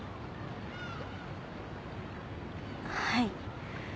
はい。